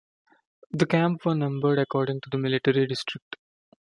The camps were numbered according to the military district.